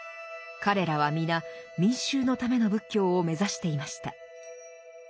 彼らは皆民衆のための仏教を目指していました。